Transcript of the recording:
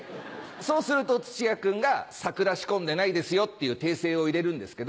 そうすると土屋君が「サクラ仕込んでないですよ」っていう訂正を入れるんですけど。